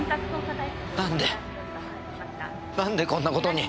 何で何でこんな事に。